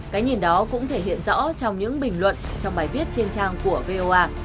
cái nhìn đó cũng thể hiện rõ trong những bình luận trong bài viết trên trang của voa